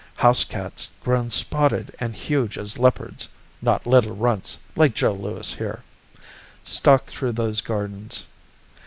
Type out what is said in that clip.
Housecats grown spotted and huge as leopards (not little runts like Joe Louis here) stalk through those gardens.